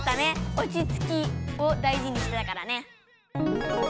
「おちつき」を大事にしてたからね！